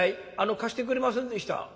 「貸してくれませんでした」。